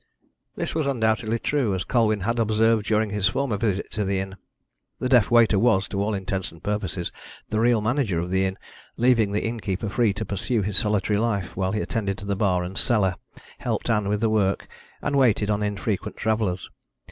This was undoubtedly true, as Colwyn had observed during his former visit to the inn. The deaf waiter was, to all intents and purposes, the real manager of the inn, leaving the innkeeper free to pursue his solitary life while he attended to the bar and the cellar, helped Ann with the work, and waited on infrequent travellers.